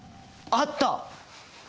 あった！